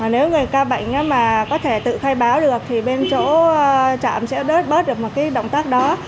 nếu người ca bệnh mà có thể tự khai báo được thì bên chỗ trạm sẽ bớt bớt được một cái động tác đó